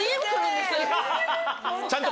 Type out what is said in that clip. ちゃんと。